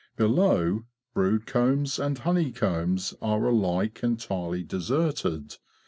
Below, brood combs and honey combs are alike entirely deserted.